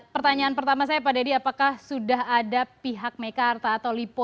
pertanyaan pertama saya pak deddy apakah sudah ada pihak mekarta atau lipo